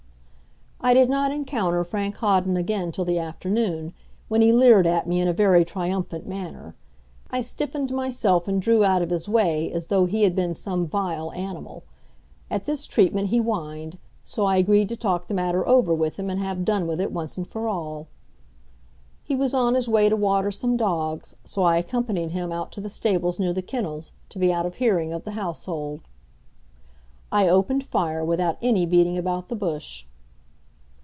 I did not encounter Frank Hawden again till the afternoon, when he leered at me in a very triumphant manner. I stiffened myself and drew out of his way as though he had been some vile animal. At this treatment he whined, so I agreed to talk the matter over with him and have done with it once and for all. He was on his way to water some dogs, so I accompanied him out to the stables near the kennels, to be out of hearing of the household. I opened fire without any beating about the bush.